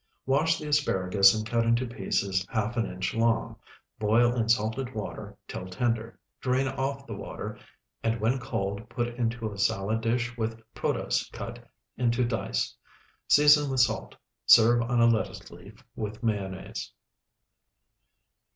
Wash the asparagus and cut into pieces half an inch long. Boil in salted water till tender. Drain off the water, and when cold put into salad dish with protose cut into dice. Season with salt. Serve on a lettuce leaf with mayonnaise.